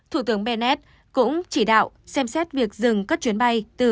thủ tướng bennett cũng chỉ đạo xem xét việc dừng các chuyến bay